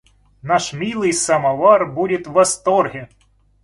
Наш милый самовар будет в восторге.